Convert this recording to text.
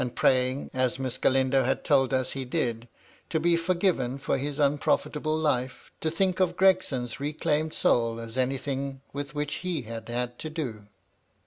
praying, as Miss Galindo had told us he did, to be forgiven for his unprofitable life, to think of Gregson's reclaimed soul as anything with which he had had to do.